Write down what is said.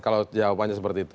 kalau jawabannya seperti itu